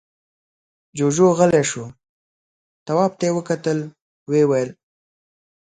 جُوجُو غلی شو. تواب ته يې وکتل، ويې ويل: